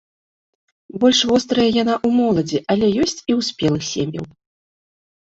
Больш вострая яна ў моладзі, але ёсць і ў спелых сем'яў.